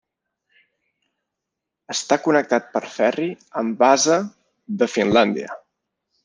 Està connectat per ferri amb Vaasa de Finlàndia.